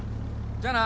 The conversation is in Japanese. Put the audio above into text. じゃあな。